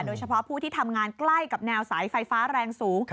โดยเฉพาะผู้ที่ทำงานใกล้กับแนวสายไฟฟ้าแรงสูง